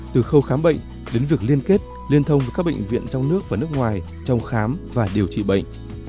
từ khâu khám bệnh đến việc liên kết liên thông với các bệnh viện trong nước và nước ngoài trong khám và điều trị bệnh